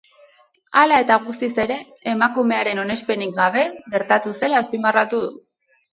Hala eta guztiz ere, emakumearen onespenik gabe gertatu zela azpimarratu du.